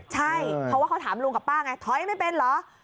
ใช่เพราะว่าเขาถามลุงกับป้าไงถอยไม่เป็นเหรอ